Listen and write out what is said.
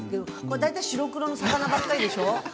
大体白黒の魚ばっかりでしょう？